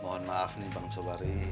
mohon maaf nih bang sobari